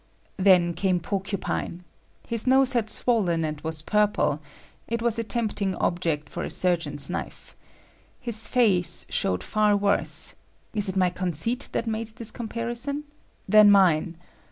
Then came Porcupine. His nose had swollen and was purple,—it was a tempting object for a surgeon's knife. His face showed far worse (is it my conceit that make this comparison?) than mine.